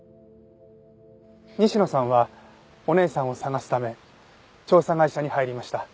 西野さんはお姉さんを捜すため調査会社に入りました。